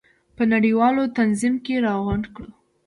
په یو نړیوال تنظیم کې راغونډې کړو.